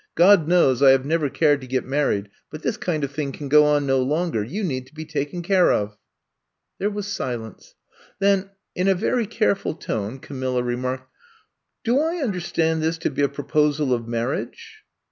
God knows I have never cared to get married. But this kind of thing can go on no longer. You need to be taken care of. '' There was silence. Then, in a very care ful tone, Camilla remarked :*' Do I under stand this to be a proposal of marriage